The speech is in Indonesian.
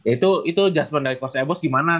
itu adjustment dari coach ebos gimana